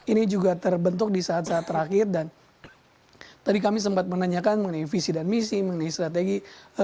ini juga terbentuk di saat saat terakhir dan tadi kami sempat menanyakan mengenai visi dan misi mengenai strategi